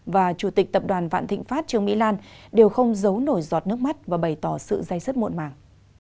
và chủ tịch tập đoàn vạn thịnh pháp trương mỹ lan đều không giấu nổi giọt nước mắt và bày tỏ sự dây dứt muộn màng